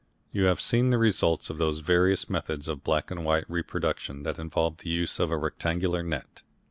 You have seen the results of those various methods of black and white reproduction that involve the use of a rectangular net.